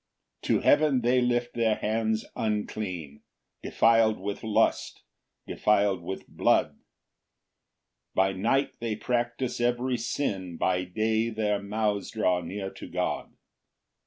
4 To heaven they lift their hands unclean, Defil'd with lust, defil'd with blood; By night they practise every sin, By day their mouths draw near to God.